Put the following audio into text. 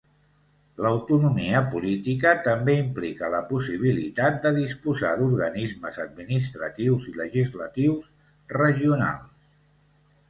L'autonomia política també implica la possibilitat de disposar d'organismes administratius i legislatius regionals.